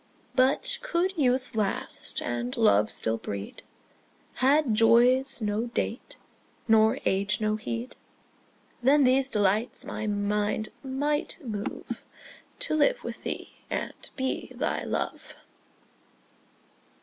But could youth last, and love still breed, Had joys no date, nor age no need, Then these delights my mind might move To live with thee and be thy love.